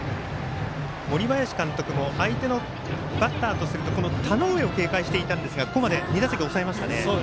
森林監督も相手のバッターとすると田上を警戒していたんですがここまで２打席抑えましたね。